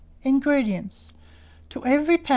INGREDIENTS. To every lb.